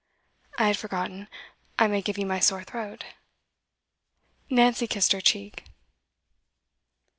'I had forgotten. I may give you my sore throat.' Nancy kissed her cheek.